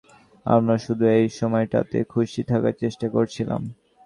আমরা শুধু এই সময়টাতে খুশী থাকার চেষ্টা করছিলাম।